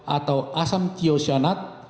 atau asam tyosyanat